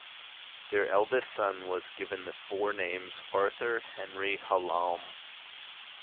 Their eldest son was given the forenames Arthur Henry Hallam.